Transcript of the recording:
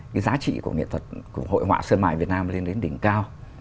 cái giá trị của nghệ thuật của hội họa sơn mài việt nam lên đến đỉnh cao